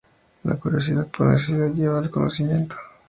La curiosidad por necesidad lleva al conocimiento.